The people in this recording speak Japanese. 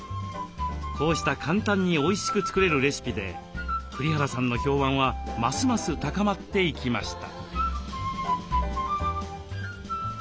こうした簡単においしく作れるレシピで栗原さんの評判はますます高まっていきました。